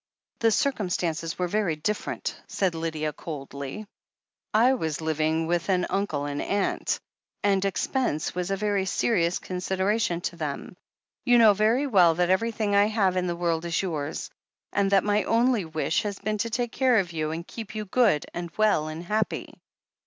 "The circumstances were very different," said Lydia THE HEEL OF ACHILLES 457 coldly. "I was living with an uncle and aunt, and ex pense was a very serious consideration to them. You know very well that everything I have in the world is yours, and that my only wish has been to take care of you and keep you good and well and happy."